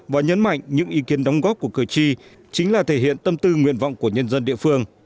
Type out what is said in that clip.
và nhấn mạnh những ý kiến đóng góp của cử tri chính là thể hiện tâm tư nguyện vọng của nhân dân địa phương